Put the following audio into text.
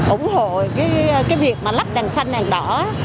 ủng hộ cái việc mà lắp đèn xanh đèn đỏ